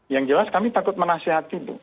yang jelas kami takut menasehati bu